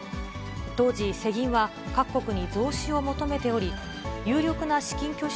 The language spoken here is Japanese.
当時、世銀は各国に増資を求めており、有力な資金拠出